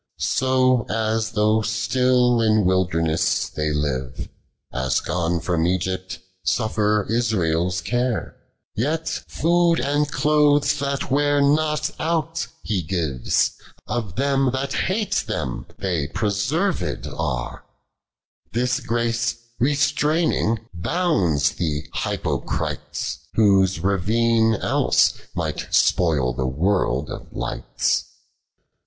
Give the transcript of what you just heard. lis. So as though still in wilderness thoy live, As gone from ^gypt, suffer Israel's care ; Yet food and clothes that wear not out He gives ; Of them that hate them thoy preserved are ; This grace restraining, bounds the hypocrites, Whose ravine else might spoil the world of lights.